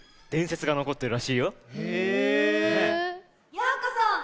・ようこそ！